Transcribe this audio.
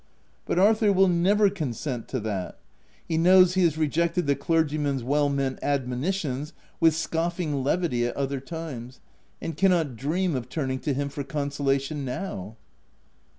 But Arthur will never consent to that : he knows he has OF WILDFELL HALL. 239 rejected the clergyman's well meant admoni tions with scoffing levity at other times, and cannot dream of turning to him for consola tion now.